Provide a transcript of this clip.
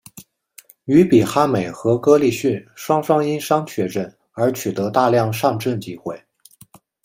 于比哈美和哥利逊双双因伤缺阵而取得大量上阵机会。